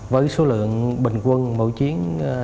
với số lượng bình quân mỗi chiếc